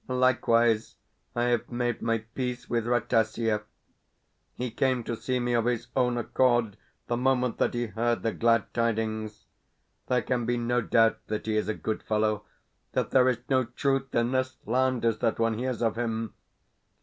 Likewise, I have made my peace with Rataziaev. He came to see me of his own accord, the moment that he heard the glad tidings. There can be no doubt that he is a good fellow, that there is no truth in the slanders that one hears of him.